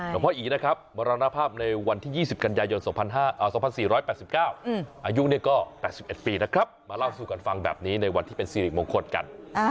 หลวงพ่ออีนะครับมรณภาพในวันที่๒๐กันยายน๒๔๘๙อายุก็๘๑ปีนะครับมาเล่าสู่กันฟังแบบนี้ในวันที่เป็นสิริมงคลกัน